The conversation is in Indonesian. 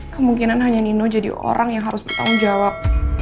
kemungkinan hanya nino jadi orang yang harus bertanggung jawab